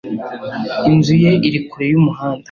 Inzu ye iri kure yumuhanda.